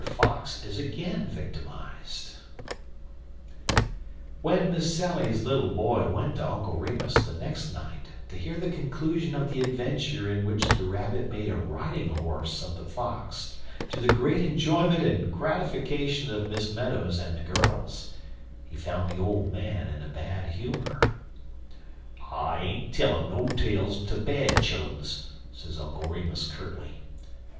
FOX IS AGAIN VICTIMIZED WHEN "Miss Sally's" little boy went to Uncle Remus the next night to hear the conclusion of the adventure in which the Rabbit made a riding horse of the Fox to the great enjoyment and gratification of Miss Meadows and the girls, he found the old man in a bad humor. "I ain't tellin' no tales ter bad chilluns," said Uncle Remus curtly.